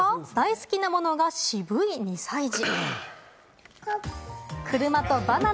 大好きなものがシブい２歳児。